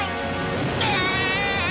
うわ！